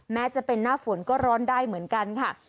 แม้จะเป็นหน้าฝนก็ร้อนได้เหมือนกันค่ะ